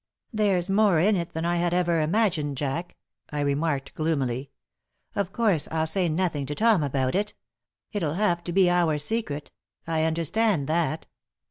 "There's more in it than I had ever imagined, Jack," I remarked, gloomily. "Of course, I'll say nothing to Tom about it. It'll have to be our secret. I understand that."